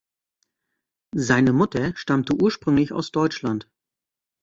Seine Mutter stammte ursprünglich aus Deutschland.